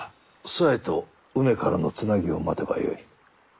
紗江と梅からのつなぎを待てばよい。